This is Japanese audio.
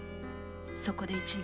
そこで一年。